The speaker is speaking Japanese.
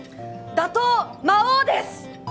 打倒魔王です！